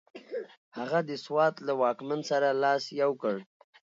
هغه د سوات له واکمن سره لاس یو کړ.